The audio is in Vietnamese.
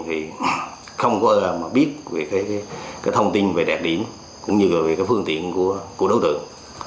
thì không có gì mà biết về cái thông tin về đẹp điểm cũng như là về cái phương tiện của đối tượng